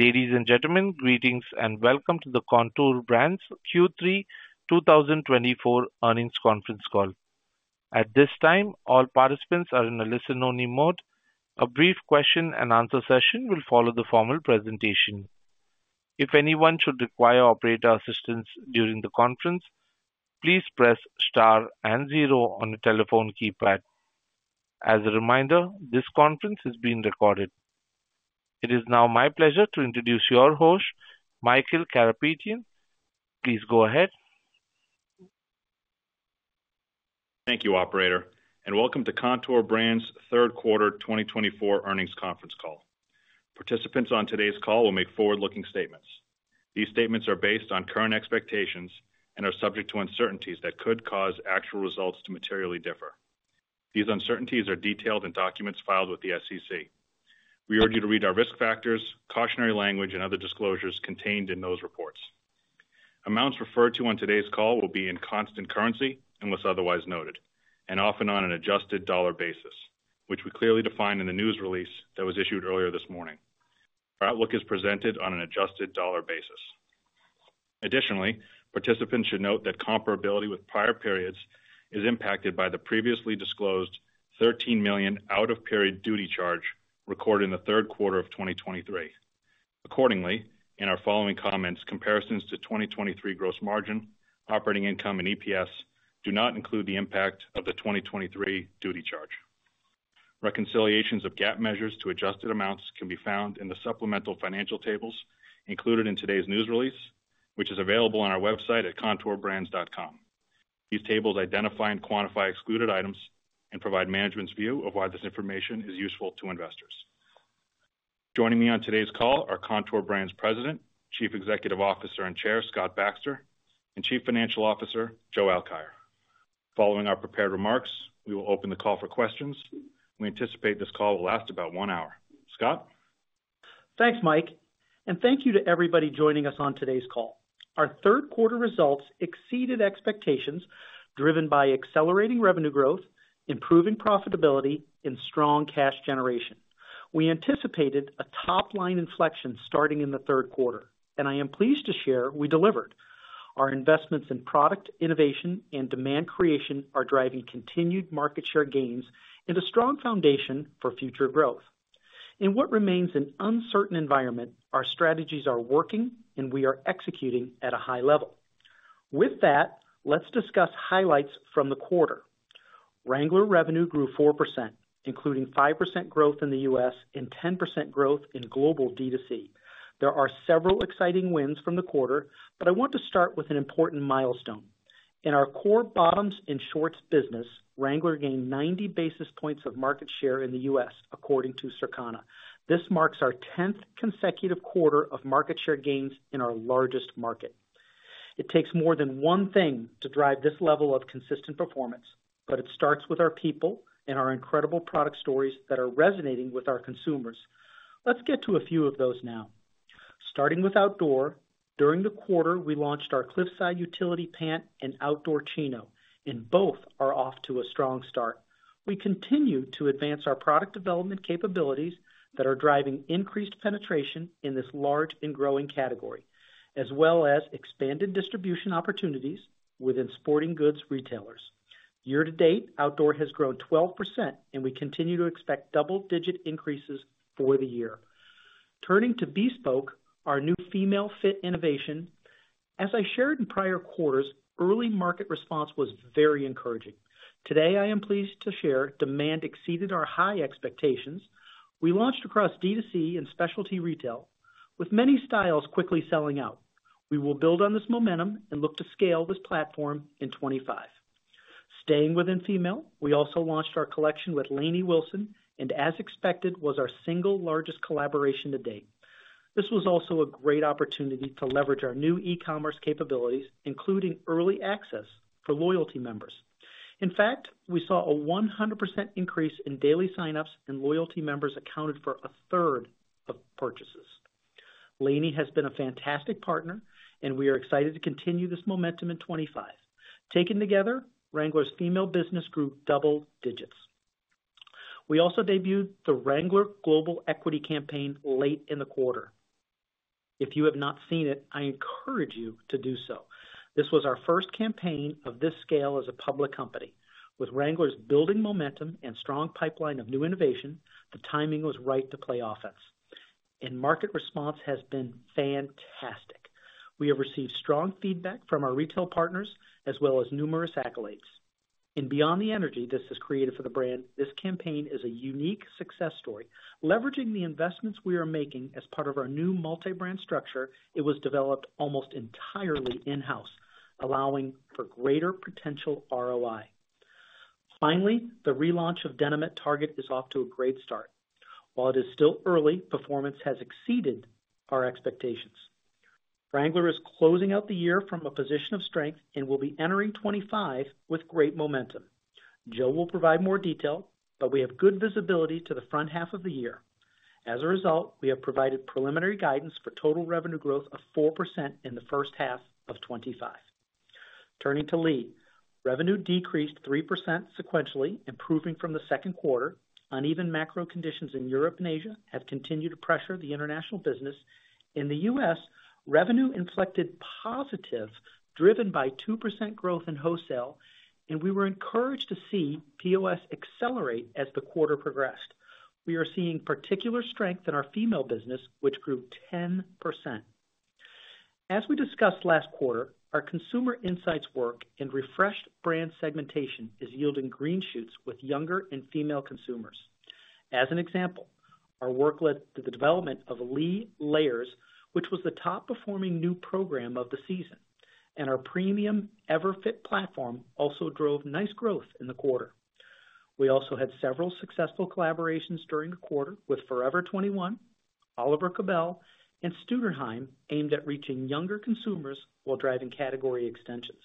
Ladies and gentlemen, greetings and welcome to the Kontoor Brands Q3 2024 earnings conference call. At this time, all participants are in a listen-only mode. A brief question-and-answer session will follow the formal presentation. If anyone should require operator assistance during the conference, please press star and zero on the telephone keypad. As a reminder, this conference is being recorded. It is now my pleasure to introduce your host, Michael Karapetian. Please go ahead. Thank you, Operator, and welcome to Kontoor Brands' third quarter 2024 earnings conference call. Participants on today's call will make forward-looking statements. These statements are based on current expectations and are subject to uncertainties that could cause actual results to materially differ. These uncertainties are detailed in documents filed with the SEC. We urge you to read our risk factors, cautionary language, and other disclosures contained in those reports. Amounts referred to on today's call will be in constant currency unless otherwise noted, and often on an adjusted dollar basis, which we clearly defined in the news release that was issued earlier this morning. Our outlook is presented on an adjusted dollar basis. Additionally, participants should note that comparability with prior periods is impacted by the previously disclosed $13 million out-of-period duty charge recorded in the third quarter of 2023. Accordingly, in our following comments, comparisons to 2023 gross margin, operating income, and EPS do not include the impact of the 2023 duty charge. Reconciliations of GAAP measures to adjusted amounts can be found in the supplemental financial tables included in today's news release, which is available on our website at kontoorbrands.com. These tables identify and quantify excluded items and provide management's view of why this information is useful to investors. Joining me on today's call are Kontoor Brands President, Chief Executive Officer, and Chair Scott Baxter, and Chief Financial Officer Joe Alkire. Following our prepared remarks, we will open the call for questions. We anticipate this call will last about one hour. Scott? Thanks, Mike, and thank you to everybody joining us on today's call. Our third quarter results exceeded expectations driven by accelerating revenue growth, improving profitability, and strong cash generation. We anticipated a top-line inflection starting in the third quarter, and I am pleased to share we delivered. Our investments in product innovation and demand creation are driving continued market share gains and a strong foundation for future growth. In what remains an uncertain environment, our strategies are working, and we are executing at a high level. With that, let's discuss highlights from the quarter. Wrangler revenue grew 4%, including 5% growth in the U.S. and 10% growth in global DTC. There are several exciting wins from the quarter, but I want to start with an important milestone. In our core bottoms and shorts business, Wrangler gained 90 basis points of market share in the U.S., according to Circana. This marks our 10th consecutive quarter of market share gains in our largest market. It takes more than one thing to drive this level of consistent performance, but it starts with our people and our incredible product stories that are resonating with our consumers. Let's get to a few of those now. Starting with outdoor, during the quarter, we launched our Cliffside Utility Pant and Outdoor Chino, and both are off to a strong start. We continue to advance our product development capabilities that are driving increased penetration in this large and growing category, as well as expanded distribution opportunities within sporting goods retailers. Year to date, outdoor has grown 12%, and we continue to expect double-digit increases for the year. Turning to Bespoke, our new female fit innovation. As I shared in prior quarters, early market response was very encouraging. Today, I am pleased to share demand exceeded our high expectations. We launched across DTC and specialty retail, with many styles quickly selling out. We will build on this momentum and look to scale this platform in 2025. Staying within female, we also launched our collection with Lainey Wilson, and as expected, was our single largest collaboration to date. This was also a great opportunity to leverage our new e-commerce capabilities, including early access for loyalty members. In fact, we saw a 100% increase in daily signups, and loyalty members accounted for a third of purchases. Lainey has been a fantastic partner, and we are excited to continue this momentum in 2025. Taken together, Wrangler's female business grew double digits. We also debuted the Wrangler global equity campaign late in the quarter. If you have not seen it, I encourage you to do so. This was our first campaign of this scale as a public company. With Wrangler's building momentum and strong pipeline of new innovation, the timing was right to play offense, and market response has been fantastic. We have received strong feedback from our retail partners as well as numerous accolades. And beyond the energy this has created for the brand, this campaign is a unique success story. Leveraging the investments we are making as part of our new multi-brand structure, it was developed almost entirely in-house, allowing for greater potential ROI. Finally, the relaunch of Denim at Target is off to a great start. While it is still early, performance has exceeded our expectations. Wrangler is closing out the year from a position of strength and will be entering 2025 with great momentum. Joe will provide more detail, but we have good visibility to the front half of the year. As a result, we have provided preliminary guidance for total revenue growth of 4% in the first half of 2025. Turning to Lee, revenue decreased 3% sequentially, improving from the second quarter. Uneven macro conditions in Europe and Asia have continued to pressure the international business. In the US, revenue inflected positive, driven by 2% growth in wholesale, and we were encouraged to see POS accelerate as the quarter progressed. We are seeing particular strength in our female business, which grew 10%. As we discussed last quarter, our consumer insights work and refreshed brand segmentation is yielding green shoots with younger and female consumers. As an example, our work led to the development of Lee Layers, which was the top-performing new program of the season, and our premium Forever Fit platform also drove nice growth in the quarter. We also had several successful collaborations during the quarter with Forever 21, Oliver Cabell, and Stutterheim aimed at reaching younger consumers while driving category extensions.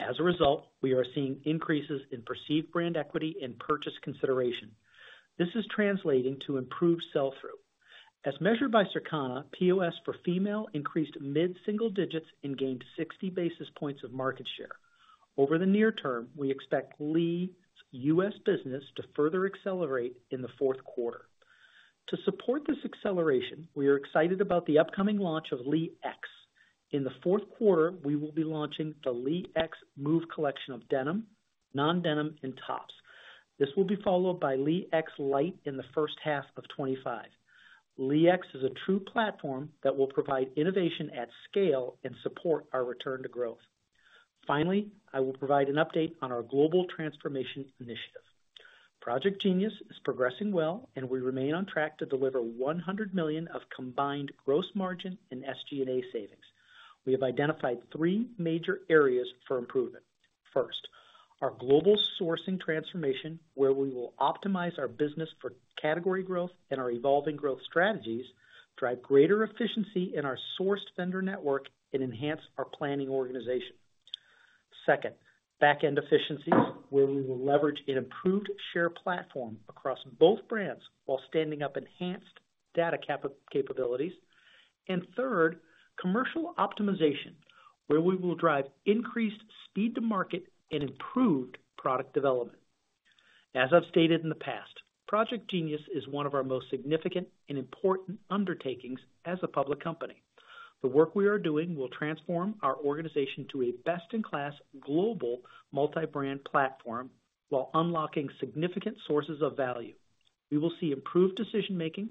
As a result, we are seeing increases in perceived brand equity and purchase consideration. This is translating to improved sell-through. As measured by Circana, POS for female increased mid-single digits and gained 60 basis points of market share. Over the near term, we expect Lee's U.S. business to further accelerate in the fourth quarter. To support this acceleration, we are excited about the upcoming launch of Lee X. In the fourth quarter, we will be launching the Lee X Move collection of denim, non-denim, and tops. This will be followed by Lee X Lite in the first half of 2025. Lee X is a true platform that will provide innovation at scale and support our return to growth. Finally, I will provide an update on our global transformation initiative. Project Jeanius is progressing well, and we remain on track to deliver 100 million of combined gross margin and SG&A savings. We have identified three major areas for improvement. First, our global sourcing transformation, where we will optimize our business for category growth and our evolving growth strategies, drive greater efficiency in our sourced vendor network and enhance our planning organization. Second, back-end efficiencies, where we will leverage an improved shared platform across both brands while standing up enhanced data capabilities. And third, commercial optimization, where we will drive increased speed to market and improved product development. As I've stated in the past, Project Jeanius is one of our most significant and important undertakings as a public company. The work we are doing will transform our organization to a best-in-class global multi-brand platform while unlocking significant sources of value. We will see improved decision-making,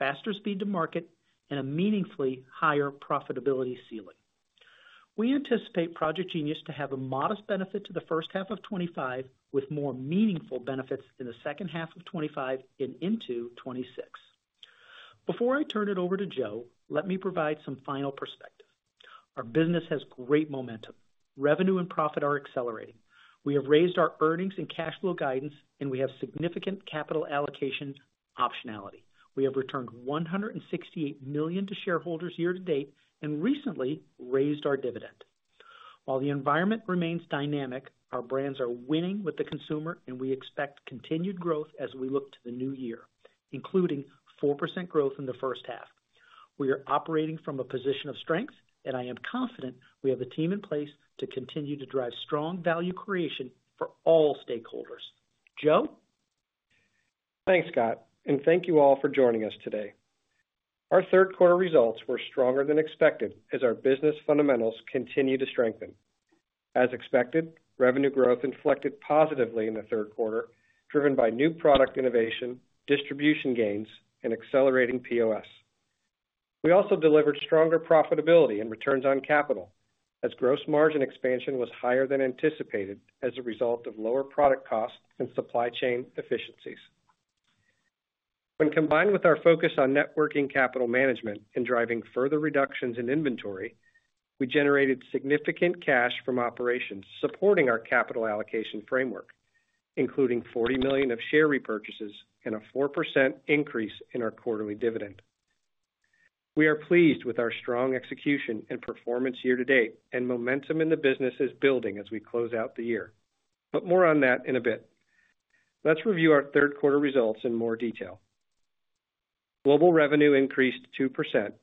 faster speed to market, and a meaningfully higher profitability ceiling. We anticipate Project Jeanius to have a modest benefit to the first half of 2025, with more meaningful benefits in the second half of 2025 and into 2026. Before I turn it over to Joe, let me provide some final perspective. Our business has great momentum. Revenue and profit are accelerating. We have raised our earnings and cash flow guidance, and we have significant capital allocation optionality. We have returned $168 million to shareholders year to date and recently raised our dividend. While the environment remains dynamic, our brands are winning with the consumer, and we expect continued growth as we look to the new year, including 4% growth in the first half. We are operating from a position of strength, and I am confident we have the team in place to continue to drive strong value creation for all stakeholders. Joe? Thanks, Scott, and thank you all for joining us today. Our third quarter results were stronger than expected as our business fundamentals continue to strengthen. As expected, revenue growth inflected positively in the third quarter, driven by new product innovation, distribution gains, and accelerating POS. We also delivered stronger profitability and returns on capital as gross margin expansion was higher than anticipated as a result of lower product costs and supply chain efficiencies. When combined with our focus on net working capital management and driving further reductions in inventory, we generated significant cash from operations supporting our capital allocation framework, including $40 million of share repurchases and a 4% increase in our quarterly dividend. We are pleased with our strong execution and performance year to date, and momentum in the business is building as we close out the year. But more on that in a bit. Let's review our third quarter results in more detail. Global revenue increased 2%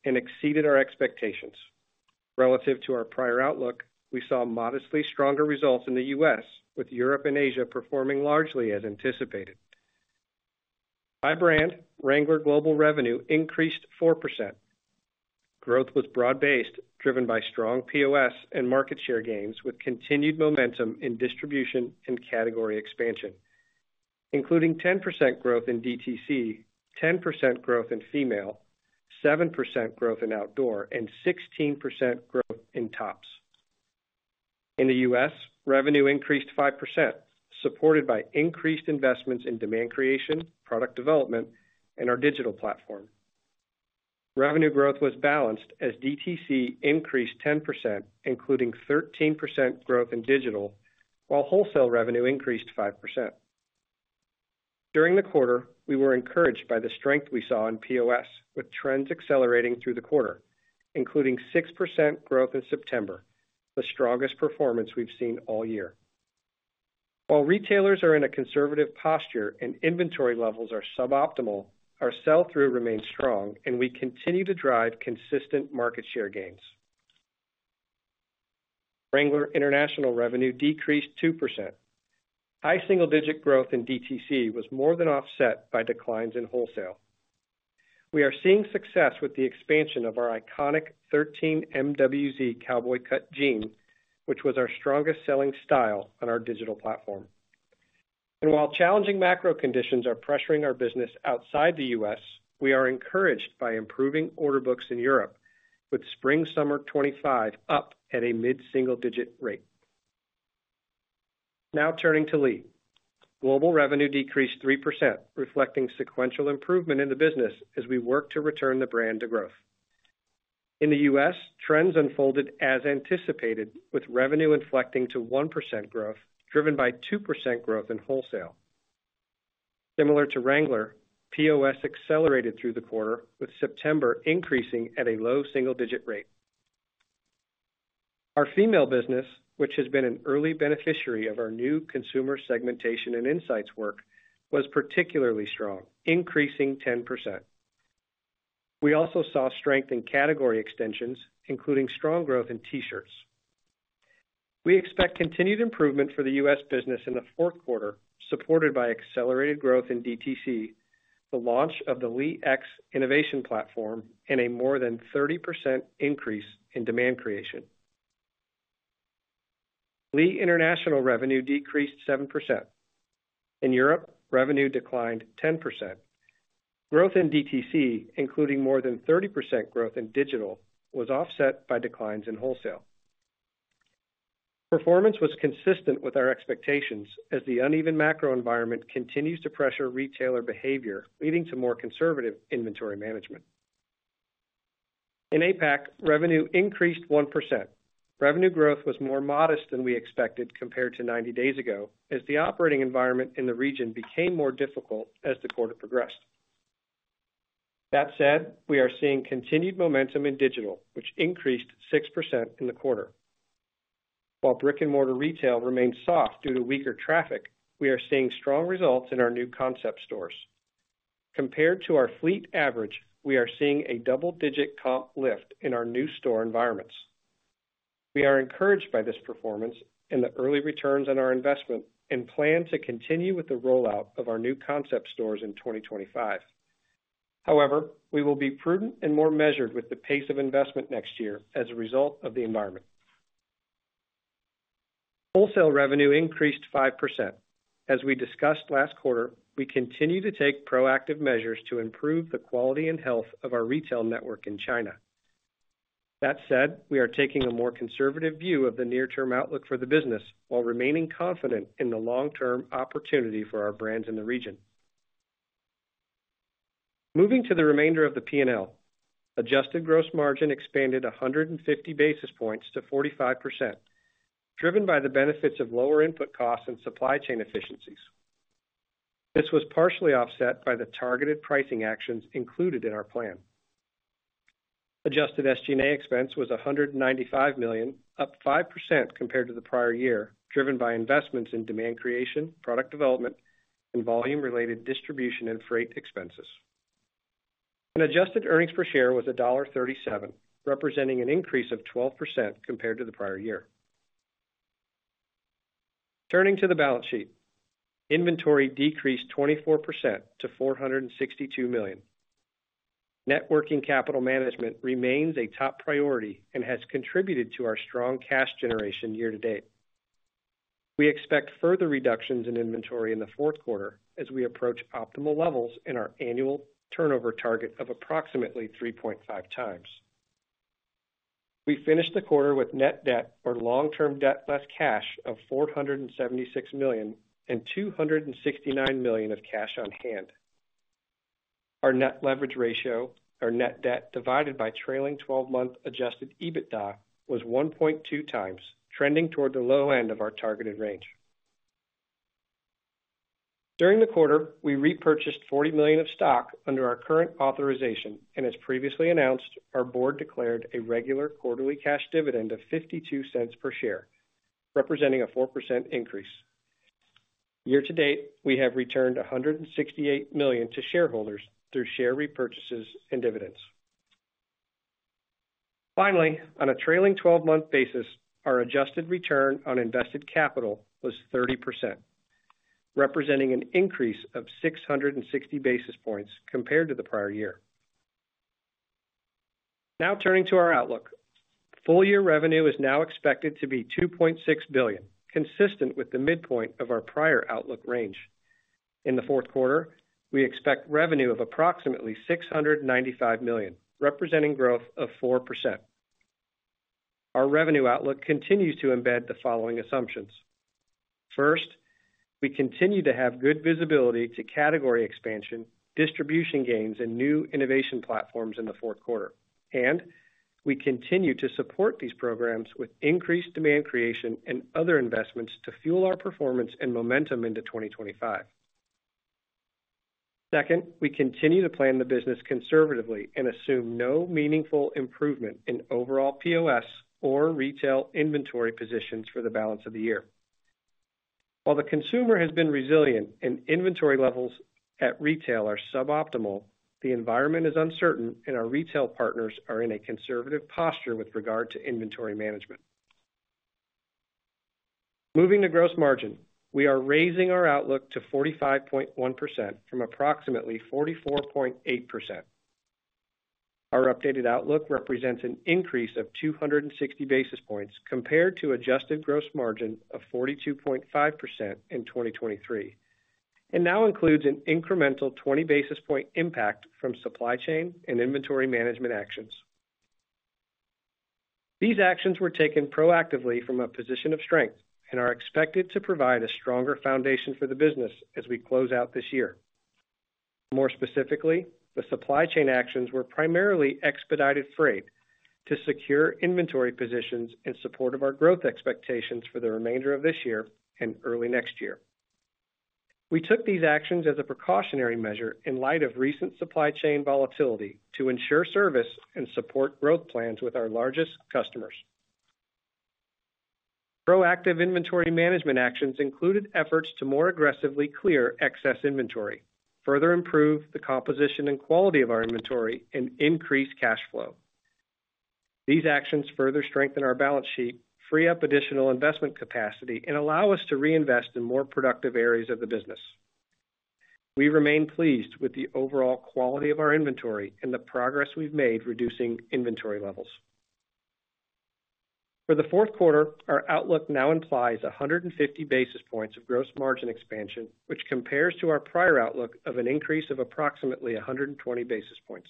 and exceeded our expectations. Relative to our prior outlook, we saw modestly stronger results in the U.S., with Europe and Asia performing largely as anticipated. By brand, Wrangler global revenue increased 4%. Growth was broad-based, driven by strong POS and market share gains, with continued momentum in distribution and category expansion, including 10% growth in DTC, 10% growth in female, 7% growth in outdoor, and 16% growth in tops. In the U.S., revenue increased 5%, supported by increased investments in demand creation, product development, and our digital platform. Revenue growth was balanced as DTC increased 10%, including 13% growth in digital, while wholesale revenue increased 5%. During the quarter, we were encouraged by the strength we saw in POS, with trends accelerating through the quarter, including 6% growth in September, the strongest performance we've seen all year. While retailers are in a conservative posture and inventory levels are suboptimal, our sell-through remains strong, and we continue to drive consistent market share gains. Wrangler international revenue decreased 2%. High single-digit growth in DTC was more than offset by declines in wholesale. We are seeing success with the expansion of our iconic 13MWZ Cowboy Cut Jean, which was our strongest selling style on our digital platform. And while challenging macro conditions are pressuring our business outside the U.S., we are encouraged by improving order books in Europe, with spring/summer 2025 up at a mid-single-digit rate. Now turning to Lee, global revenue decreased 3%, reflecting sequential improvement in the business as we work to return the brand to growth. In the U.S., trends unfolded as anticipated, with revenue inflecting to 1% growth, driven by 2% growth in wholesale. Similar to Wrangler, POS accelerated through the quarter, with September increasing at a low single-digit rate. Our female business, which has been an early beneficiary of our new consumer segmentation and insights work, was particularly strong, increasing 10%. We also saw strength in category extensions, including strong growth in t-shirts. We expect continued improvement for the U.S. business in the fourth quarter, supported by accelerated growth in DTC, the launch of the Lee X innovation platform, and a more than 30% increase in demand creation. Lee international revenue decreased 7%. In Europe, revenue declined 10%. Growth in DTC, including more than 30% growth in digital, was offset by declines in wholesale. Performance was consistent with our expectations as the uneven macro environment continues to pressure retailer behavior, leading to more conservative inventory management. In APAC, revenue increased 1%. Revenue growth was more modest than we expected compared to 90 days ago, as the operating environment in the region became more difficult as the quarter progressed. That said, we are seeing continued momentum in digital, which increased 6% in the quarter. While brick-and-mortar retail remained soft due to weaker traffic, we are seeing strong results in our new concept stores. Compared to our fleet average, we are seeing a double-digit comp lift in our new store environments. We are encouraged by this performance and the early returns on our investment and plan to continue with the rollout of our new concept stores in 2025. However, we will be prudent and more measured with the pace of investment next year as a result of the environment. Wholesale revenue increased 5%. As we discussed last quarter, we continue to take proactive measures to improve the quality and health of our retail network in China. That said, we are taking a more conservative view of the near-term outlook for the business while remaining confident in the long-term opportunity for our brands in the region. Moving to the remainder of the P&L, adjusted gross margin expanded 150 basis points to 45%, driven by the benefits of lower input costs and supply chain efficiencies. This was partially offset by the targeted pricing actions included in our plan. Adjusted SG&A expense was $195 million, up 5% compared to the prior year, driven by investments in demand creation, product development, and volume-related distribution and freight expenses. Our adjusted earnings per share was $1.37, representing an increase of 12% compared to the prior year. Turning to the balance sheet, inventory decreased 24% to $462 million. working capital management remains a top priority and has contributed to our strong cash generation year to date. We expect further reductions in inventory in the fourth quarter as we approach optimal levels in our annual turnover target of approximately 3.5 times. We finished the quarter with net debt, or long-term debt less cash, of $476 million and $269 million of cash on hand. Our net leverage ratio, our net debt divided by trailing 12-month Adjusted EBITDA, was 1.2 times, trending toward the low end of our targeted range. During the quarter, we repurchased $40 million of stock under our current authorization, and as previously announced, our board declared a regular quarterly cash dividend of $0.52 per share, representing a 4% increase. Year to date, we have returned $168 million to shareholders through share repurchases and dividends. Finally, on a trailing 12-month basis, our adjusted return on invested capital was 30%, representing an increase of 660 basis points compared to the prior year. Now turning to our outlook, full-year revenue is now expected to be $2.6 billion, consistent with the midpoint of our prior outlook range. In the fourth quarter, we expect revenue of approximately $695 million, representing growth of 4%. Our revenue outlook continues to embed the following assumptions. First, we continue to have good visibility to category expansion, distribution gains, and new innovation platforms in the fourth quarter, and we continue to support these programs with increased demand creation and other investments to fuel our performance and momentum into 2025. Second, we continue to plan the business conservatively and assume no meaningful improvement in overall POS or retail inventory positions for the balance of the year. While the consumer has been resilient and inventory levels at retail are suboptimal, the environment is uncertain, and our retail partners are in a conservative posture with regard to inventory management. Moving to gross margin, we are raising our outlook to 45.1% from approximately 44.8%. Our updated outlook represents an increase of 260 basis points compared to adjusted gross margin of 42.5% in 2023, and now includes an incremental 20 basis point impact from supply chain and inventory management actions. These actions were taken proactively from a position of strength and are expected to provide a stronger foundation for the business as we close out this year. More specifically, the supply chain actions were primarily expedited freight to secure inventory positions in support of our growth expectations for the remainder of this year and early next year. We took these actions as a precautionary measure in light of recent supply chain volatility to ensure service and support growth plans with our largest customers. Proactive inventory management actions included efforts to more aggressively clear excess inventory, further improve the composition and quality of our inventory, and increase cash flow. These actions further strengthen our balance sheet, free up additional investment capacity, and allow us to reinvest in more productive areas of the business. We remain pleased with the overall quality of our inventory and the progress we've made reducing inventory levels. For the fourth quarter, our outlook now implies 150 basis points of gross margin expansion, which compares to our prior outlook of an increase of approximately 120 basis points.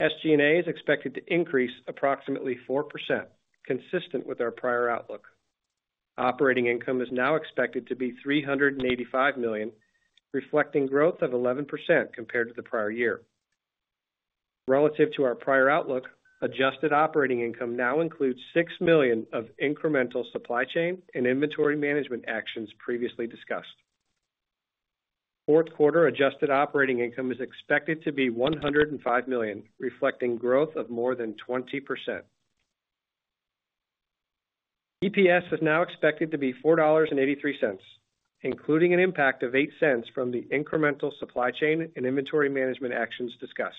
SG&A is expected to increase approximately 4%, consistent with our prior outlook. Operating income is now expected to be $385 million, reflecting growth of 11% compared to the prior year. Relative to our prior outlook, adjusted operating income now includes $6 million of incremental supply chain and inventory management actions previously discussed. Fourth quarter adjusted operating income is expected to be $105 million, reflecting growth of more than 20%. EPS is now expected to be $4.83, including an impact of $0.08 from the incremental supply chain and inventory management actions discussed.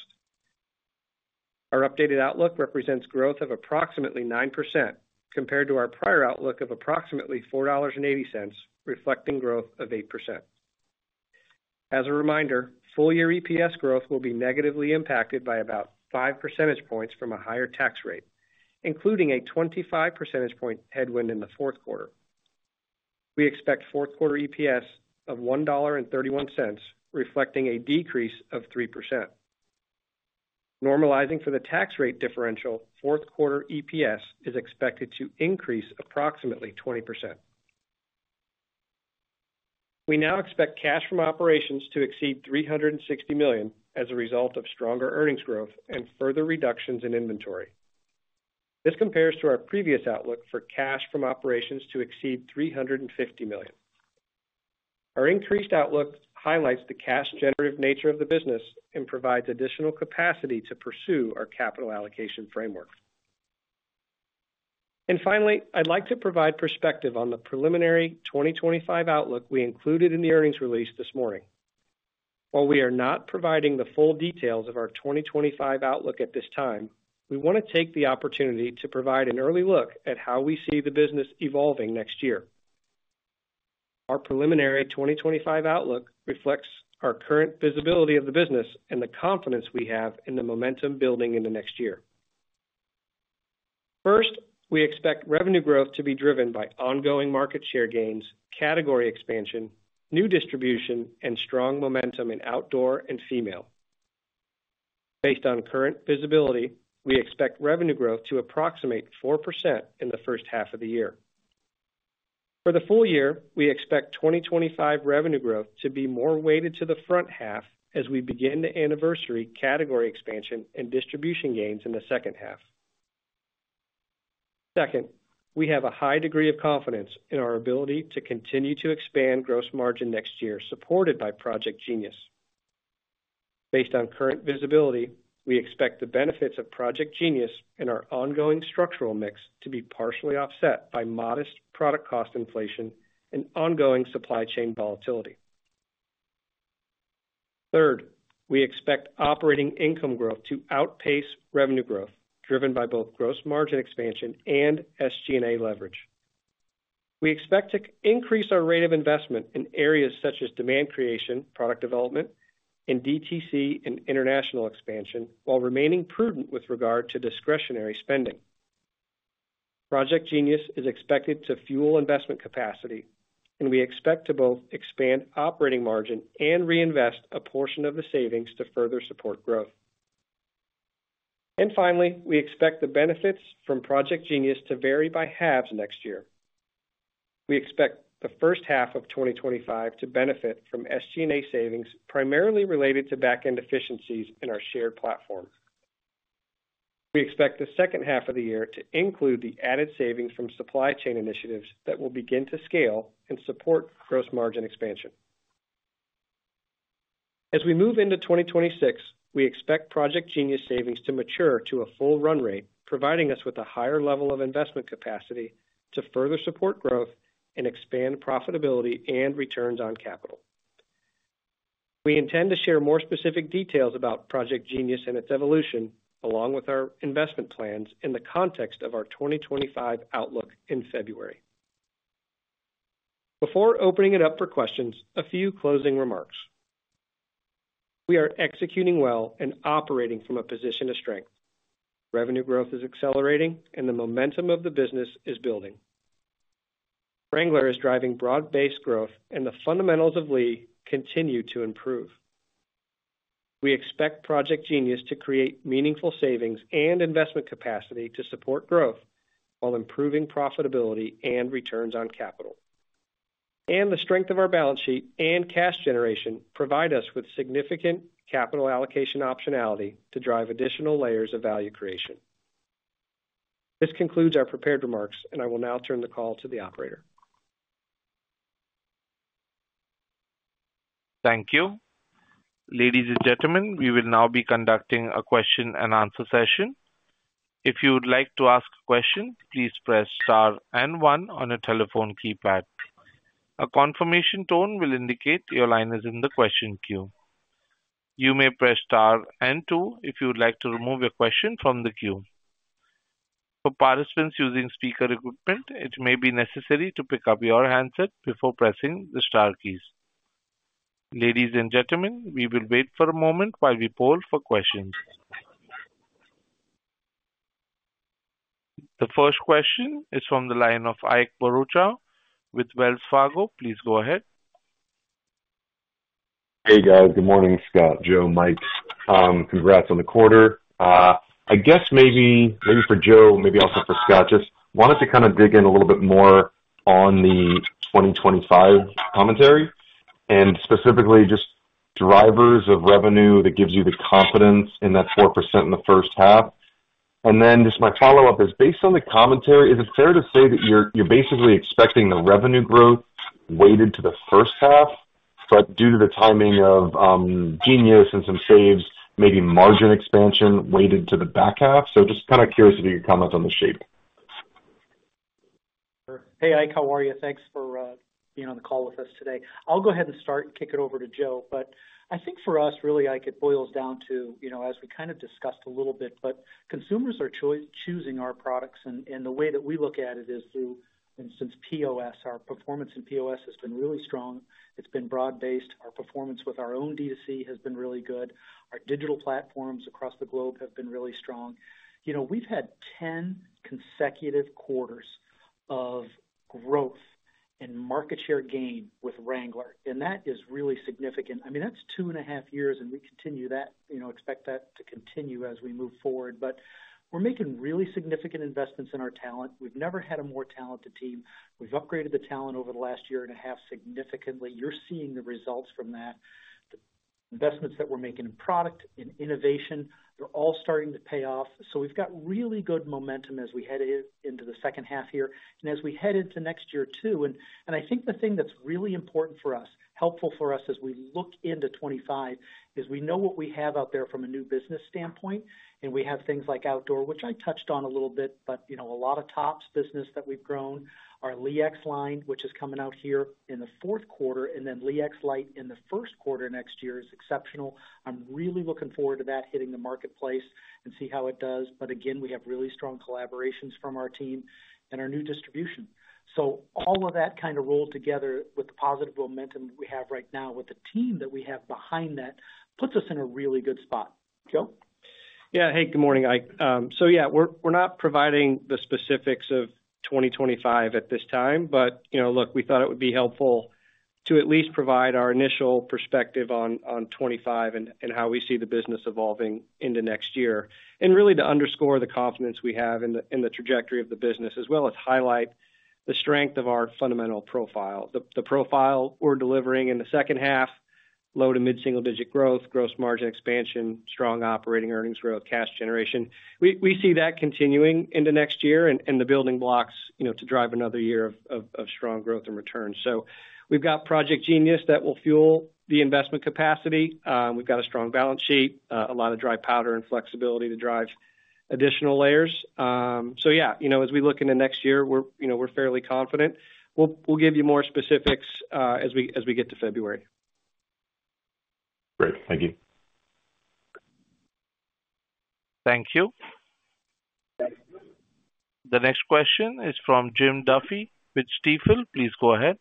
Our updated outlook represents growth of approximately 9% compared to our prior outlook of approximately $4.80, reflecting growth of 8%. As a reminder, full-year EPS growth will be negatively impacted by about 5 percentage points from a higher tax rate, including a 25 percentage point headwind in the fourth quarter. We expect fourth quarter EPS of $1.31, reflecting a decrease of 3%. Normalizing for the tax rate differential, fourth quarter EPS is expected to increase approximately 20%. We now expect cash from operations to exceed $360 million as a result of stronger earnings growth and further reductions in inventory. This compares to our previous outlook for cash from operations to exceed $350 million. Our increased outlook highlights the cash-generative nature of the business and provides additional capacity to pursue our capital allocation framework. And finally, I'd like to provide perspective on the preliminary 2025 outlook we included in the earnings release this morning. While we are not providing the full details of our 2025 outlook at this time, we want to take the opportunity to provide an early look at how we see the business evolving next year. Our preliminary 2025 outlook reflects our current visibility of the business and the confidence we have in the momentum building in the next year. First, we expect revenue growth to be driven by ongoing market share gains, category expansion, new distribution, and strong momentum in outdoor and female. Based on current visibility, we expect revenue growth to approximate 4% in the first half of the year. For the full year, we expect 2025 revenue growth to be more weighted to the front half as we begin the anniversary category expansion and distribution gains in the second half. Second, we have a high degree of confidence in our ability to continue to expand gross margin next year, supported by Project Jeanius. Based on current visibility, we expect the benefits of Project Jeanius and our ongoing structural mix to be partially offset by modest product cost inflation and ongoing supply chain volatility. Third, we expect operating income growth to outpace revenue growth, driven by both gross margin expansion and SG&A leverage. We expect to increase our rate of investment in areas such as demand creation, product development, and DTC and international expansion, while remaining prudent with regard to discretionary spending. Project Jeanius is expected to fuel investment capacity, and we expect to both expand operating margin and reinvest a portion of the savings to further support growth, and finally, we expect the benefits from Project Jeanius to vary by halves next year. We expect the first half of 2025 to benefit from SG&A savings primarily related to back-end efficiencies in our shared platform. We expect the second half of the year to include the added savings from supply chain initiatives that will begin to scale and support gross margin expansion. As we move into 2026, we expect Project Jeanius savings to mature to a full run rate, providing us with a higher level of investment capacity to further support growth and expand profitability and returns on capital. We intend to share more specific details about Project Jeanius and its evolution, along with our investment plans in the context of our 2025 outlook in February. Before opening it up for questions, a few closing remarks. We are executing well and operating from a position of strength. Revenue growth is accelerating, and the momentum of the business is building. Wrangler is driving broad-based growth, and the fundamentals of Lee continue to improve. We expect Project Jeanius to create meaningful savings and investment capacity to support growth while improving profitability and returns on capital. And the strength of our balance sheet and cash generation provide us with significant capital allocation optionality to drive additional layers of value creation. This concludes our prepared remarks, and I will now turn the call to the operator. Thank you. Ladies and gentlemen, we will now be conducting a question and answer session. If you would like to ask a question, please press Star and 1 on your telephone keypad. A confirmation tone will indicate your line is in the question queue. You may press Star and 2 if you would like to remove your question from the queue. For participants using speaker equipment, it may be necessary to pick up your handset before pressing the star keys. Ladies and gentlemen, we will wait for a moment while we poll for questions. The first question is from the line of Ike Boruchow with Wells Fargo. Please go ahead. Hey, guys. Good morning, Scott, Joe, Mike. Congrats on the quarter. I guess maybe for Joe, maybe also for Scott, just wanted to kind of dig in a little bit more on the 2025 commentary and specifically just drivers of revenue that gives you the confidence in that 4% in the first half. And then just my follow-up is, based on the commentary, is it fair to say that you're basically expecting the revenue growth weighted to the first half, but due to the timing of Genius and some saves, maybe margin expansion weighted to the back half? So just kind of curious to hear your comments on the shape. Hey, Ike, how are you? Thanks for being on the call with us today. I'll go ahead and start and kick it over to Joe. But I think for us, really, Ike, it boils down to, as we kind of discussed a little bit, but consumers are choosing our products, and the way that we look at it is through, for instance, POS. Our performance in POS has been really strong. It's been broad-based. Our performance with our own DTC has been really good. Our digital platforms across the globe have been really strong. We've had 10 consecutive quarters of growth and market share gain with Wrangler, and that is really significant. I mean, that's two and a half years, and we continue that, expect that to continue as we move forward. But we're making really significant investments in our talent. We've never had a more talented team. We've upgraded the talent over the last year and a half significantly. You're seeing the results from that. The investments that we're making in product, in innovation, they're all starting to pay off, so we've got really good momentum as we head into the second half here and as we head into next year too, and I think the thing that's really important for us, helpful for us as we look into 2025, is we know what we have out there from a new business standpoint, and we have things like outdoor, which I touched on a little bit, but a lot of tops business that we've grown, our Lee X line, which is coming out here in the fourth quarter, and then Lee X Lite in the first quarter next year is exceptional. I'm really looking forward to that hitting the marketplace and see how it does, but again, we have really strong collaborations from our team and our new distribution. So all of that kind of rolled together with the positive momentum we have right now with the team that we have behind that puts us in a really good spot. Joe? Yeah. Hey, good morning, Ike. So yeah, we're not providing the specifics of 2025 at this time, but look, we thought it would be helpful to at least provide our initial perspective on 2025 and how we see the business evolving into next year, and really to underscore the confidence we have in the trajectory of the business, as well as highlight the strength of our fundamental profile. The profile we're delivering in the second half, low to mid-single-digit growth, gross margin expansion, strong operating earnings growth, cash generation. We see that continuing into next year and the building blocks to drive another year of strong growth and return. So we've got Project Jeanius that will fuel the investment capacity. We've got a strong balance sheet, a lot of dry powder and flexibility to drive additional layers. So yeah, as we look into next year, we're fairly confident. We'll give you more specifics as we get to February. Great. Thank you. Thank you. The next question is from Jim Duffy with Stifel. Please go ahead.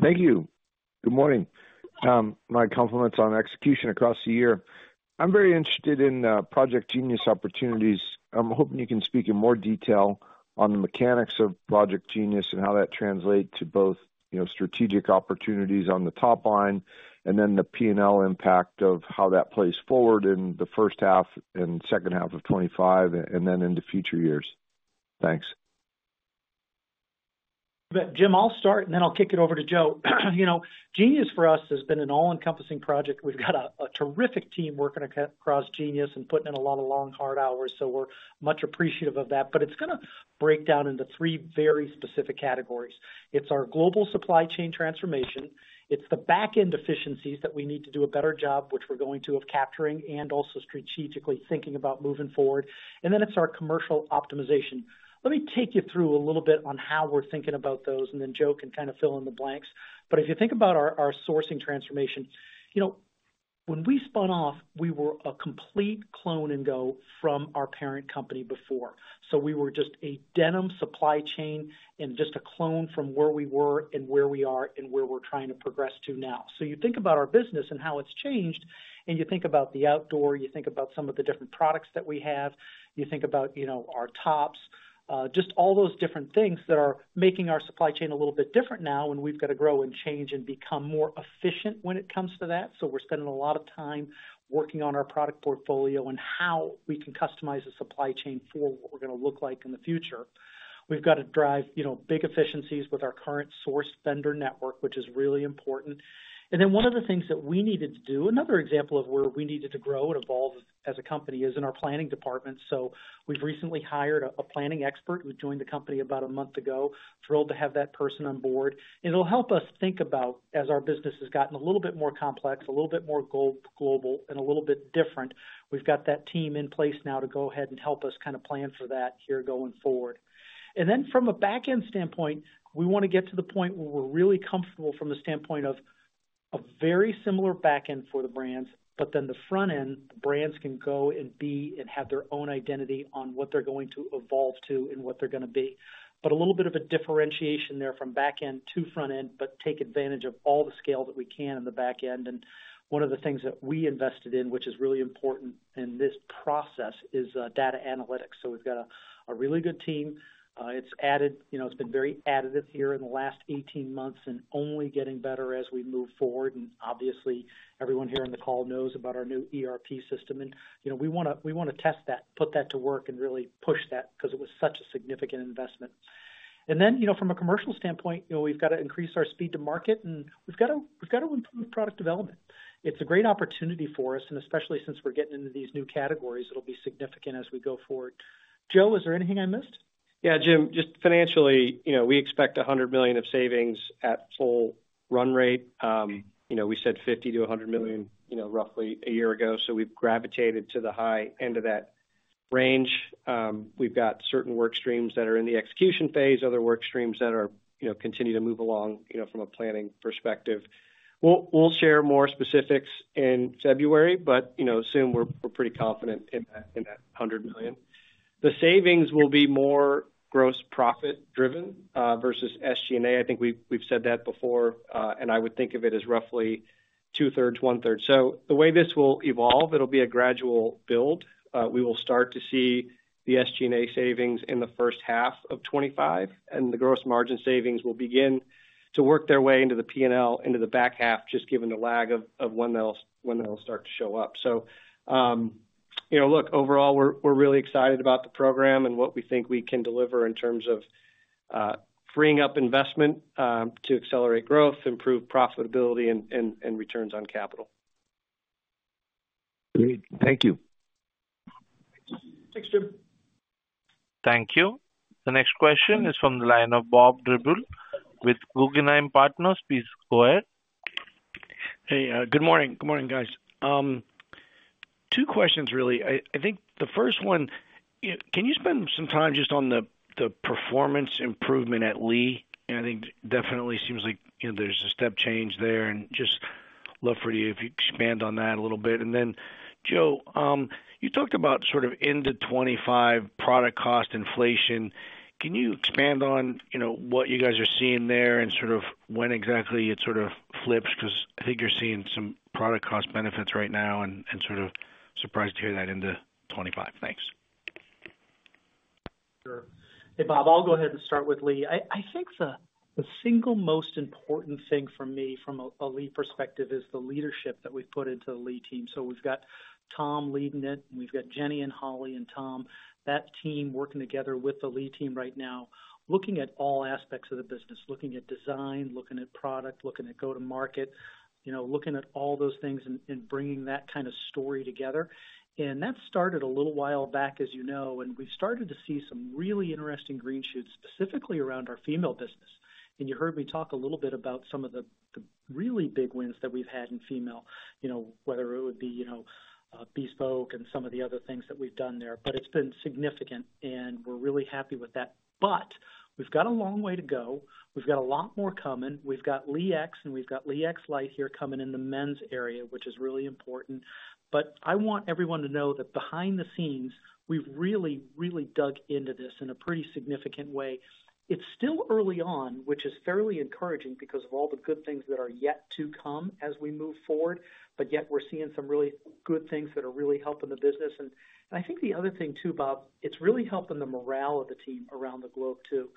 Thank you. Good morning. My compliments on execution across the year. I'm very interested in Project Jeanius opportunities. I'm hoping you can speak in more detail on the mechanics of Project Jeanius and how that translates to both strategic opportunities on the top line and then the P&L impact of how that plays forward in the first half and second half of 2025 and then into future years. Thanks. Jim, I'll start, and then I'll kick it over to Joe. Genius for us has been an all-encompassing project. We've got a terrific team working across Genius and putting in a lot of long, hard hours, so we're much appreciative of that. But it's going to break down into three very specific categories. It's our global supply chain transformation. It's the back-end efficiencies that we need to do a better job, which we're going to of capturing and also strategically thinking about moving forward. And then it's our commercial optimization. Let me take you through a little bit on how we're thinking about those, and then Joe can kind of fill in the blanks. But if you think about our sourcing transformation, when we spun off, we were a complete clone and go from our parent company before. So, we were just a denim supply chain and just a clone from where we were and where we are and where we're trying to progress to now. So, you think about our business and how it's changed, and you think about the outdoor, you think about some of the different products that we have, you think about our tops, just all those different things that are making our supply chain a little bit different now, and we've got to grow and change and become more efficient when it comes to that. So, we're spending a lot of time working on our product portfolio and how we can customize the supply chain for what we're going to look like in the future. We've got to drive big efficiencies with our current source vendor network, which is really important. Then one of the things that we needed to do, another example of where we needed to grow and evolve as a company, is in our planning department. So we've recently hired a planning expert who joined the company about a month ago. Thrilled to have that person on board. It'll help us think about, as our business has gotten a little bit more complex, a little bit more global, and a little bit different. We've got that team in place now to go ahead and help us kind of plan for that here going forward. And then from a back-end standpoint, we want to get to the point where we're really comfortable from the standpoint of a very similar back-end for the brands, but then the front-end, the brands can go and be and have their own identity on what they're going to evolve to and what they're going to be. But a little bit of a differentiation there from back-end to front-end, but take advantage of all the scale that we can in the back-end. And one of the things that we invested in, which is really important in this process, is data analytics. So we've got a really good team. It's added, it's been very additive here in the last 18 months and only getting better as we move forward. And obviously, everyone here on the call knows about our new ERP system. And we want to test that, put that to work, and really push that because it was such a significant investment. Then from a commercial standpoint, we've got to increase our speed to market, and we've got to improve product development. It's a great opportunity for us, and especially since we're getting into these new categories, it'll be significant as we go forward. Joe, is there anything I missed? Yeah, Jim, just financially, we expect $100 million of savings at full run rate. We said $50 million-$100 million roughly a year ago, so we've gravitated to the high end of that range. We've got certain work streams that are in the execution phase, other work streams that continue to move along from a planning perspective. We'll share more specifics in February, but assume we're pretty confident in that $100 million. The savings will be more gross profit driven versus SG&A. I think we've said that before, and I would think of it as roughly two-thirds, one-third. So the way this will evolve, it'll be a gradual build. We will start to see the SG&A savings in the first half of 2025, and the gross margin savings will begin to work their way into the P&L, into the back half, just given the lag of when they'll start to show up. So look, overall, we're really excited about the program and what we think we can deliver in terms of freeing up investment to accelerate growth, improve profitability, and returns on capital. Great. Thank you. Thanks, Jim. Thank you. The next question is from the line of Bob Drbul with Guggenheim Partners. Please go ahead. Hey, good morning. Good morning, guys. Two questions, really. I think the first one, can you spend some time just on the performance improvement at Lee? And I think definitely seems like there's a step change there, and just love for you if you expand on that a little bit. And then, Joe, you talked about sort of end of 2025 product cost inflation. Can you expand on what you guys are seeing there and sort of when exactly it sort of flips? Because I think you're seeing some product cost benefits right now and sort of surprised to hear that end of 2025. Thanks. Sure. Hey, Bob, I'll go ahead and start with Lee. I think the single most important thing for me from a Lee perspective is the leadership that we've put into the Lee team. So we've got Tom leading it, and we've got Jenni and Holly and Tom, that team working together with the Lee team right now, looking at all aspects of the business, looking at design, looking at product, looking at go-to-market, looking at all those things and bringing that kind of story together. And that started a little while back, as you know, and we've started to see some really interesting green shoots specifically around our female business. And you heard me talk a little bit about some of the really big wins that we've had in female, whether it would be Bespoke and some of the other things that we've done there. But it's been significant, and we're really happy with that. But we've got a long way to go. We've got a lot more coming. We've got Lee X and we've got Lee X Lite here coming in the men's area, which is really important. But I want everyone to know that behind the scenes, we've really, really dug into this in a pretty significant way. It's still early on, which is fairly encouraging because of all the good things that are yet to come as we move forward, but yet we're seeing some really good things that are really helping the business. And I think the other thing too, Bob, it's really helping the morale of the team around the globe too,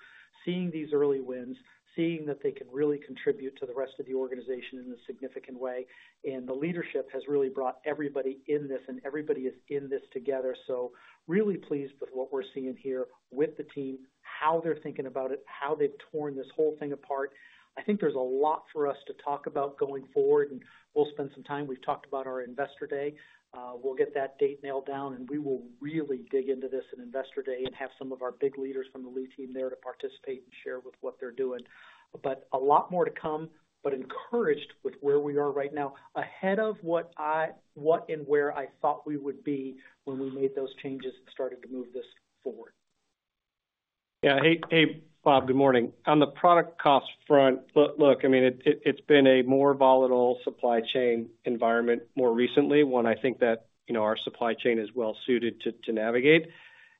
seeing these early wins, seeing that they can really contribute to the rest of the organization in a significant way. And the leadership has really brought everybody in this, and everybody is in this together. So really pleased with what we're seeing here with the team, how they're thinking about it, how they've torn this whole thing apart. I think there's a lot for us to talk about going forward, and we'll spend some time. We've talked about our investor day. We'll get that date nailed down, and we will really dig into this in investor day and have some of our big leaders from the Lee team there to participate and share with what they're doing. But a lot more to come, but encouraged with where we are right now, ahead of what and where I thought we would be when we made those changes and started to move this forward. Yeah. Hey, Bob, good morning. On the product cost front, look, I mean, it's been a more volatile supply chain environment more recently, one I think that our supply chain is well suited to navigate.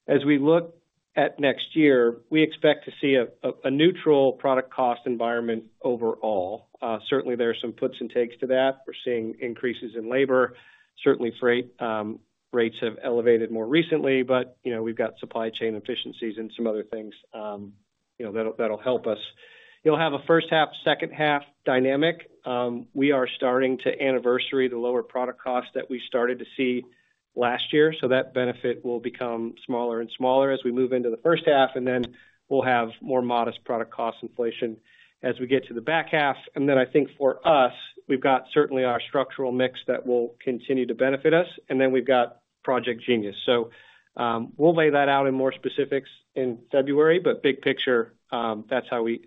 As we look at next year, we expect to see a neutral product cost environment overall. Certainly, there are some puts and takes to that. We're seeing increases in labor. Certainly, freight rates have elevated more recently, but we've got supply chain efficiencies and some other things that'll help us. You'll have a first half, second half dynamic. We are starting to anniversary the lower product costs that we started to see last year. So that benefit will become smaller and smaller as we move into the first half, and then we'll have more modest product cost inflation as we get to the back half. And then I think for us, we've got certainly our structural mix that will continue to benefit us, and then we've got Project Jeanius. So we'll lay that out in more specifics in February, but big picture, that's how we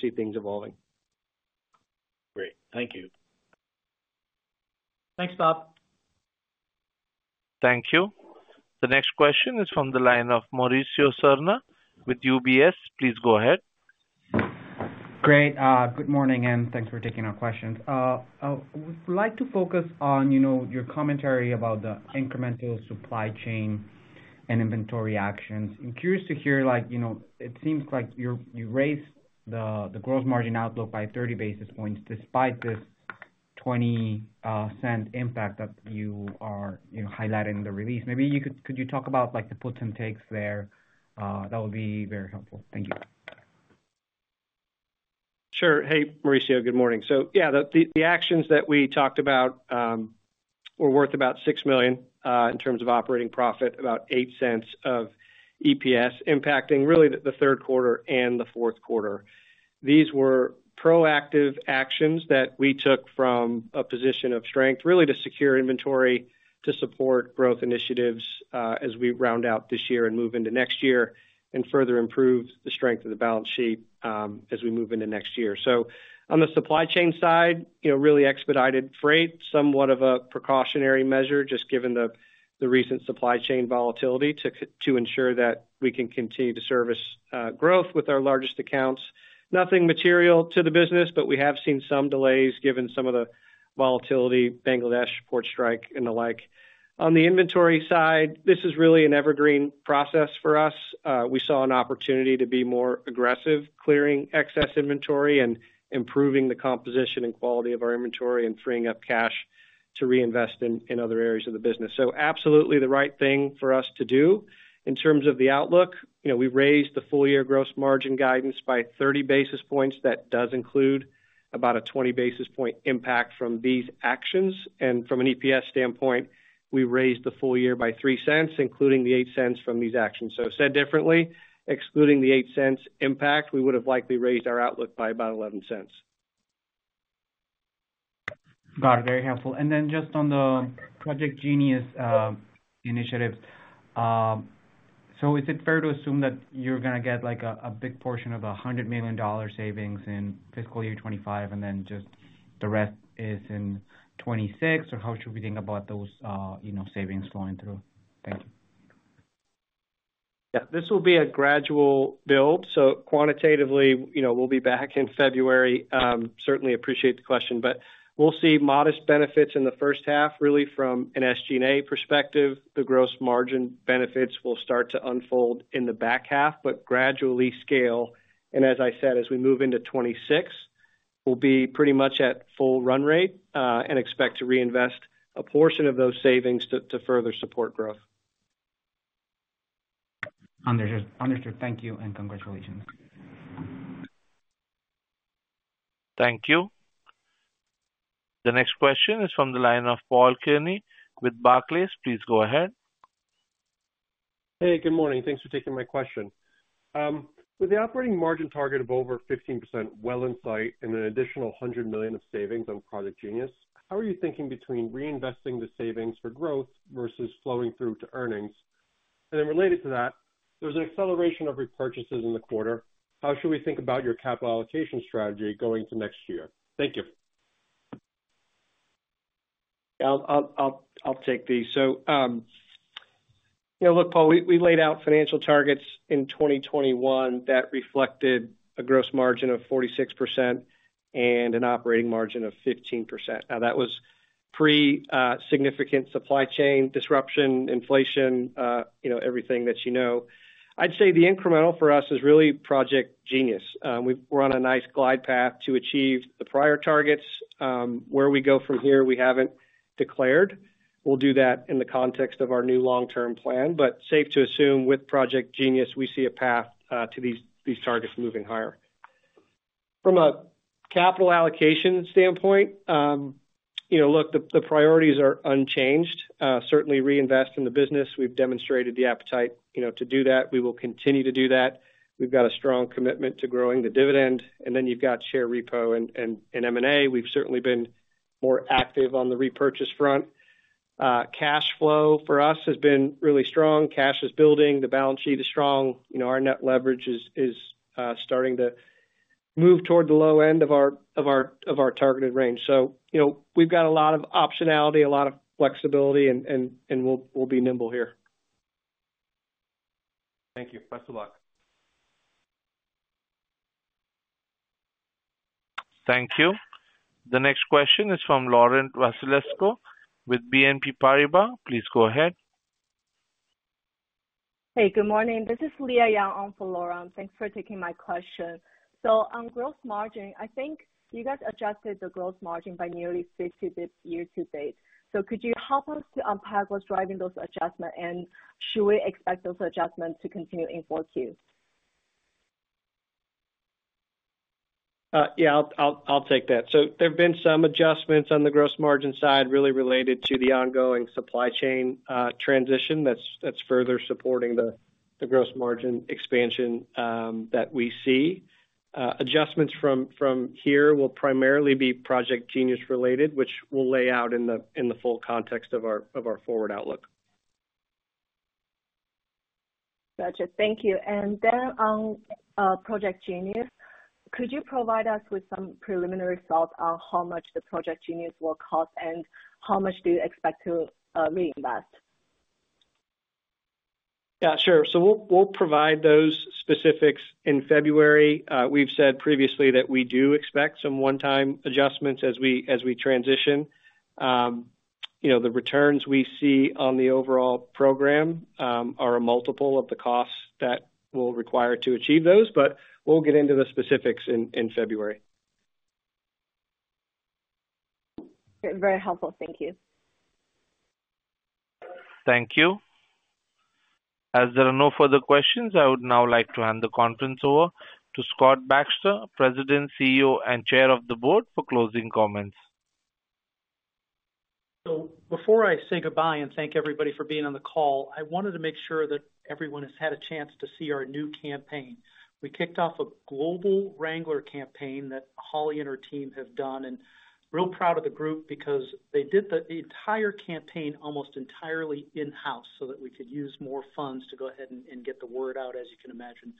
see things evolving. Great. Thank you. Thanks, Bob. Thank you. The next question is from the line of Mauricio Serna with UBS. Please go ahead. Great. Good morning, and thanks for taking our questions. I would like to focus on your commentary about the incremental supply chain and inventory actions. I'm curious to hear. It seems like you raised the gross margin outlook by 30 basis points despite this $0.20 impact that you are highlighting in the release. Maybe could you talk about the puts and takes there? That would be very helpful. Thank you. Sure. Hey, Mauricio, good morning. So yeah, the actions that we talked about were worth about $6 million in terms of operating profit, about $0.08 of EPS impacting really the third quarter and the fourth quarter. These were proactive actions that we took from a position of strength really to secure inventory to support growth initiatives as we round out this year and move into next year and further improve the strength of the balance sheet as we move into next year. So on the supply chain side, really expedited freight, somewhat of a precautionary measure just given the recent supply chain volatility to ensure that we can continue to service growth with our largest accounts. Nothing material to the business, but we have seen some delays given some of the volatility, Bangladesh, port strike, and the like. On the inventory side, this is really an evergreen process for us. We saw an opportunity to be more aggressive, clearing excess inventory and improving the composition and quality of our inventory and freeing up cash to reinvest in other areas of the business, so absolutely the right thing for us to do. In terms of the outlook, we raised the full-year gross margin guidance by 30 basis points. That does include about a 20 basis points impact from these actions. And from an EPS standpoint, we raised the full year by $0.03, including the $0.08 from these actions, so said differently, excluding the $0.08 impact, we would have likely raised our outlook by about $0.11. Got it. Very helpful. Then just on the Project Jeanius initiative, so is it fair to assume that you're going to get a big portion of the $100 million savings in fiscal year 2025 and then just the rest is in 2026? Or how should we think about those savings flowing through? Thank you. Yeah. This will be a gradual build. So quantitatively, we'll be back in February. Certainly appreciate the question, but we'll see modest benefits in the first half really from an SG&A perspective. The gross margin benefits will start to unfold in the back half, but gradually scale. And as I said, as we move into 2026, we'll be pretty much at full run rate and expect to reinvest a portion of those savings to further support growth. Understood. Thank you and congratulations. Thank you. The next question is from the line of Paul Kearney with Barclays. Please go ahead. Hey, good morning. Thanks for taking my question. With the operating margin target of over 15% well in sight and an additional $100 million of savings on Project Jeanius, how are you thinking between reinvesting the savings for growth versus flowing through to earnings? And then related to that, there's an acceleration of repurchases in the quarter. How should we think about your capital allocation strategy going to next year? Thank you. I'll take these. So look, Paul, we laid out financial targets in 2021 that reflected a gross margin of 46% and an operating margin of 15%. Now, that was pretty significant supply chain disruption, inflation, everything that you know. I'd say the incremental for us is really Project Jeanius. We're on a nice glide path to achieve the prior targets. Where we go from here, we haven't declared. We'll do that in the context of our new long-term plan. But safe to assume with Project Jeanius, we see a path to these targets moving higher. From a capital allocation standpoint, look, the priorities are unchanged. Certainly reinvest in the business. We've demonstrated the appetite to do that. We will continue to do that. We've got a strong commitment to growing the dividend. And then you've got share repo and M&A. We've certainly been more active on the repurchase front. Cash flow for us has been really strong. Cash is building. The balance sheet is strong. Our net leverage is starting to move toward the low end of our targeted range. So we've got a lot of optionality, a lot of flexibility, and we'll be nimble here. Thank you. Best of luck. Thank you. The next question is from Laurent Vasilescu with BNP Paribas. Please go ahead. Hey, good morning. This is Leah Yang on for Laurent. Thanks for taking my question. So on gross margin, I think you guys adjusted the gross margin by nearly 50 this year to date. So could you help us to unpack what's driving those adjustments and should we expect those adjustments to continue in 2024? Yeah, I'll take that. So there have been some adjustments on the gross margin side really related to the ongoing supply chain transition that's further supporting the gross margin expansion that we see. Adjustments from here will primarily be Project Jeanius-related, which we'll lay out in the full context of our forward outlook. Gotcha. Thank you. And then on Project Jeanius, could you provide us with some preliminary thoughts on how much the Project Jeanius will cost and how much do you expect to reinvest? Yeah, sure. So we'll provide those specifics in February. We've said previously that we do expect some one-time adjustments as we transition. The returns we see on the overall program are a multiple of the costs that we'll require to achieve those, but we'll get into the specifics in February. Very helpful. Thank you. Thank you. As there are no further questions, I would now like to hand the conference over to Scott Baxter, President, CEO, and Chair of the Board, for closing comments. So before I say goodbye and thank everybody for being on the call, I wanted to make sure that everyone has had a chance to see our new campaign. We kicked off a global Wrangler campaign that Holly and her team have done, and real proud of the group because they did the entire campaign almost entirely in-house so that we could use more funds to go ahead and get the word out, as you can imagine.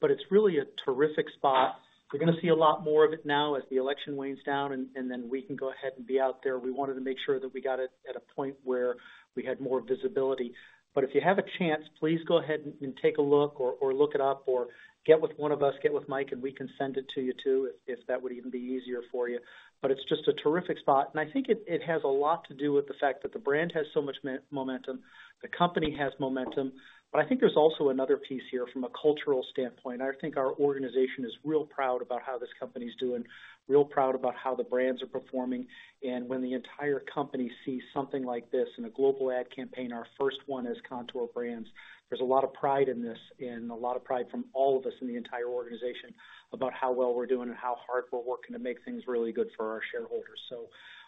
But it's really a terrific spot. We're going to see a lot more of it now as the election winds down, and then we can go ahead and be out there. We wanted to make sure that we got it at a point where we had more visibility. But if you have a chance, please go ahead and take a look or look it up or get with one of us, get with Mike, and we can send it to you too if that would even be easier for you. But it's just a terrific spot. And I think it has a lot to do with the fact that the brand has so much momentum, the company has momentum, but I think there's also another piece here from a cultural standpoint. I think our organization is real proud about how this company's doing, real proud about how the brands are performing. And when the entire company sees something like this in a global ad campaign, our first one is Kontoor Brands, there's a lot of pride in this and a lot of pride from all of us in the entire organization about how well we're doing and how hard we're working to make things really good for our shareholders. So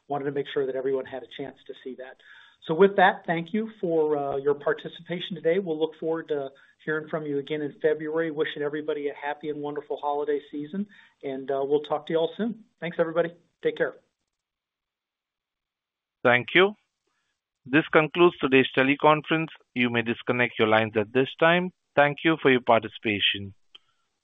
wanted to make sure that everyone had a chance to see that. So with that, thank you for your participation today. We'll look forward to hearing from you again in February. Wishing everybody a happy and wonderful holiday season, and we'll talk to you all soon. Thanks, everybody. Take care. Thank you. This concludes today's teleconference. You may disconnect your lines at this time. Thank you for your participation.